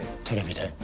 テレビで？